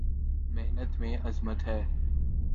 محنت میں عظمت ہے